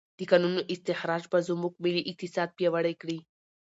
د کانونو استخراج به زموږ ملي اقتصاد پیاوړی کړي.